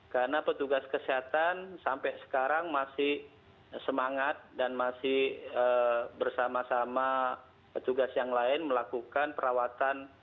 karena petugas kesehatan sampai sekarang masih semangat dan masih bersama sama petugas yang lain melakukan perawatan